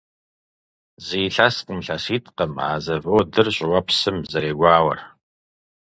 Зы илъэскъым, илъэситӀкъым а заводыр щӀыуэпсым зэрегуауэр.